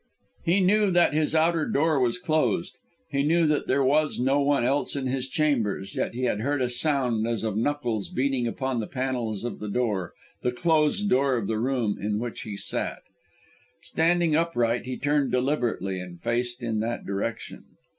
He knew that his outer door was closed; he knew that there was no one else in his chambers; yet he had heard a sound as of knuckles beating upon the panels of the door the closed door of the room in which he sat! Standing upright, he turned deliberately, and faced in that direction.